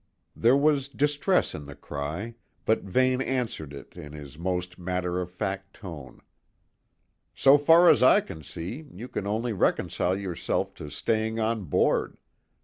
There was distress in the cry, but Vane answered it in his most matter of fact tone: "So far as I can see, you can only reconcile yourself to staying on board.